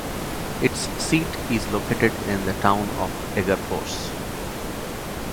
Its seat is located in the town of Degerfors.